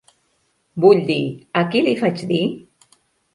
Vull dir, a qui li faig dir?